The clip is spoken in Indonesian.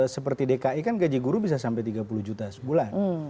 seperti dki kan gaji guru bisa sampai tiga puluh juta sebulan